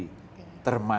termasuk dan terutama